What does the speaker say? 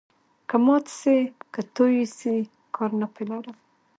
که مات سي که توی سي، کار نه په لرم.